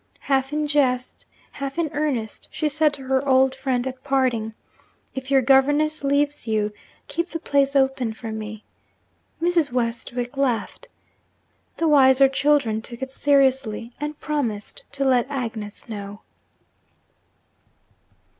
Half in jest, half in earnest, she said to her old friend at parting, 'If your governess leaves you, keep the place open for me.' Mrs. Westwick laughed. The wiser children took it seriously, and promised to let Agnes know.